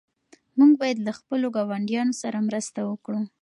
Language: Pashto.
موږ باید له خپلو ګاونډیانو سره مرسته وکړو.